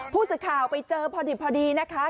ผู้สื่อข่าวไปเจอพอดีนะคะ